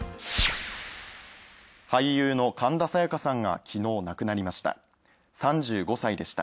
俳優の神田沙也加さんが昨日、亡くなりました。